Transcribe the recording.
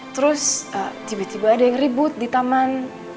terus tiba tiba ada yang ribut di taman